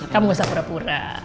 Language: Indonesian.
kamu gak usah pura pura